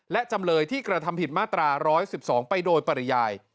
และจำเลยที่กระทำผิดมาตรา๑๑๒ไปโดยปริยาย